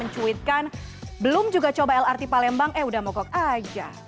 mencuitkan belum juga coba lrt palembang eh udah mogok aja